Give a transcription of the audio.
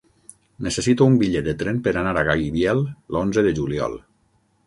Necessito un bitllet de tren per anar a Gaibiel l'onze de juliol.